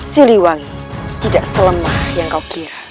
siliwangi tidak selemah yang kau kira